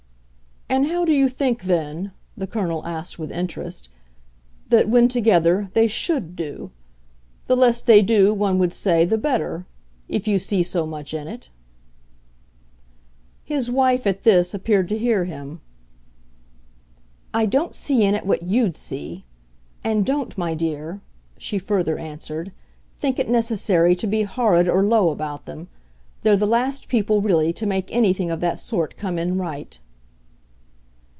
"And how do you think then," the Colonel asked with interest, "that, when together, they SHOULD do? The less they do, one would say, the better if you see so much in it." His wife, at this, appeared to hear him. "I don't see in it what YOU'D see. And don't, my dear," she further answered, "think it necessary to be horrid or low about them. They're the last people, really, to make anything of that sort come in right."